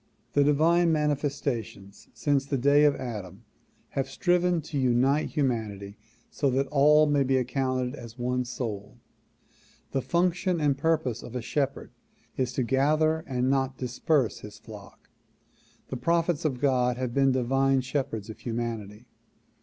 The divine manifestations since the day of Adam have striven to unite humanity so that all may be accounted as one soul The function and purpose of a shepherd is to gather and not disperse his flock. The prophets of God have been divine shepherds of humanity.